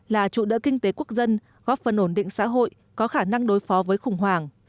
là trụ đỡ kinh tế quốc dân góp phần ổn định xã hội có khả năng đối phó với khủng hoảng